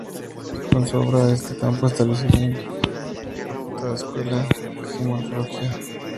Con su obra en este campo estableció su bien reputada escuela geomorfológica.